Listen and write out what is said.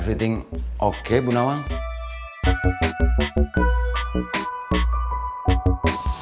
terima kasih kalo bisa semuanya nyambit sadar